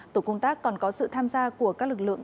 tổ công tác còn có sự tham gia của các lực lượng